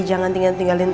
masuk masuk masuk